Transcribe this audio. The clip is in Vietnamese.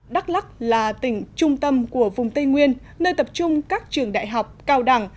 đắk lắc là tỉnh trung tâm của vùng tây nguyên nơi tập trung các trường đại học cao đẳng